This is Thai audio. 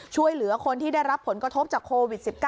ช่วยเหลือคนที่ได้รับผลกระทบจากโควิด๑๙